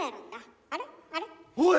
おい！